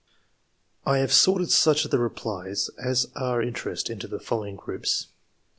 I have sorted such of the replies as are of interest, into the following groups.